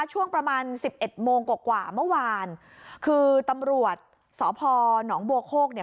ช่วงประมาณสิบเอ็ดโมงกว่ากว่าเมื่อวานคือตำรวจสพหนองบัวโคกเนี่ย